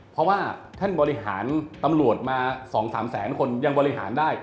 เพราะว่าท่านบริหารตำรวจมา๒๓แสนคนยังบริหารได้